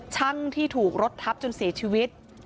ช่างที่ถูกรถทับจนเสียชีวิต